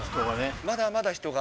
まだまだ人が。